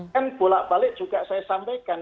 kan bolak balik juga saya sampaikan